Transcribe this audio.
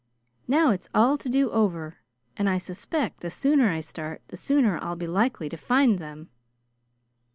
Now it's all to do over, and I suspect the sooner I start the sooner I'll be likely to find them."